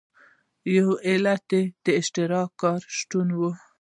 یو علت یې د اشتراکي کار شتون و.